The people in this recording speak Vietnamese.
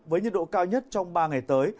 với nhiệt độ cao nhất trong ba ngày tới